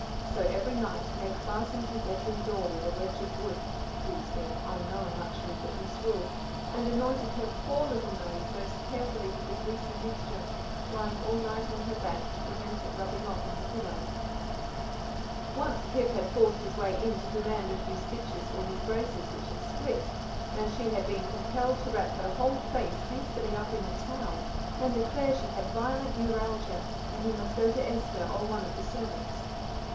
So every night Meg fastened her bedroom door with a wedge of wood, keys being unknown luxuries at Misrule, and anointed her, poor little nose most carefully with the greasy mixture, lying all night on her back to prevent it rubbing off on the pillow. Once Pip had forced his way into demand a few stitches for his braces which had split, and she had been compelled to wrap her whole face hastily up in a towel and declare she had violent neuralgia, and he must go to Esther or one of the servants.